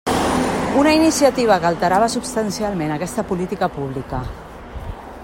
Una iniciativa que alterava substancialment aquesta política pública.